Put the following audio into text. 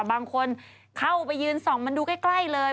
บางคนเข้าไปยืนส่องมันดูใกล้เลย